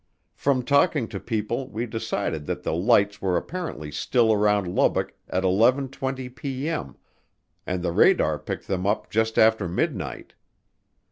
From talking to people, we decided that the lights were apparently still around Lubbock at 11:20P.M. and the radar picked them up just after midnight.